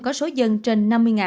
có số dân trên năm mươi